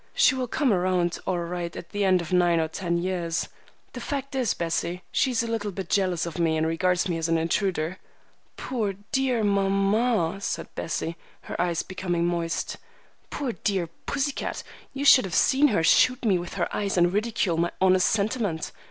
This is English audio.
She will come around all right at the end of nine or ten years. The fact is, Bessie, she's a little bit jealous of me and regards me as an intruder." "Poor, dear mamma!" said Bessie, her eyes becoming moist. "Poor, dear pussy cat! You should have seen her shoot me with her eyes and ridicule my honest sentiment.